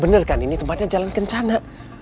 bener kan ini tempatnya jalan kencana